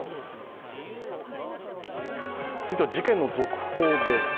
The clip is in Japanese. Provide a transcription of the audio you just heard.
続いては事件の続報です。